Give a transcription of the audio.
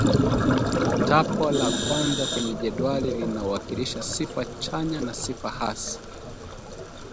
Tapo la kwanza kwenye jedwali linawakilisha sifa chanya na sifa hasi